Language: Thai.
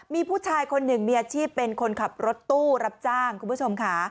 มีผู้ชายคนหนึ่งมีอาชีพเป็นคนขับรถตู้รับจ้างคุณผู้ชมค่ะ